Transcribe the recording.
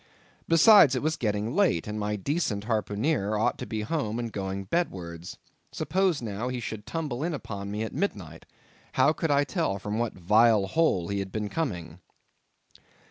Besides, it was getting late, and my decent harpooneer ought to be home and going bedwards. Suppose now, he should tumble in upon me at midnight—how could I tell from what vile hole he had been coming?